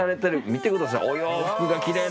見てください。